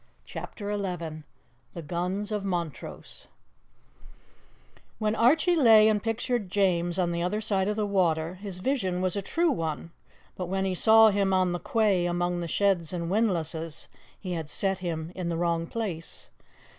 CHAPTER XI THE GUNS OF MONTROSE WHEN Archie lay and pictured James on the other side of the water his vision was a true one, but, while he saw him on the quay among the sheds and windlasses, he had set him in the wrong place.